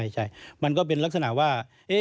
ใช่มันก็เป็นลักษณะว่า